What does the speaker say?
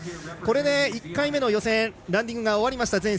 これで１回目の予選ランディングが終わりました